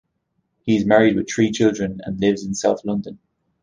He is married with three children and lives in south London.